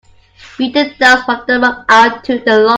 Beat the dust from the rug onto the lawn.